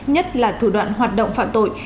nhất là thủ đoạn hoạt động phạm tội